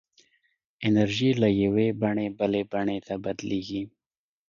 انرژي له یوې بڼې بلې ته بدلېږي.